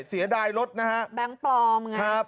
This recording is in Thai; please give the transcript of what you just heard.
เสียดายรถนะฮะแบงค์ปลอมไงครับ